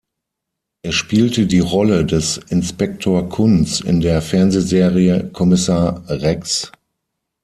Er spielte die Rolle des "Inspektor Kunz" in der Fernsehserie "Kommissar Rex".